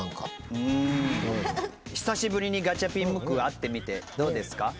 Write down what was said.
久しぶりにガチャピンムック会ってみてどうですか？